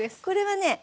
これはね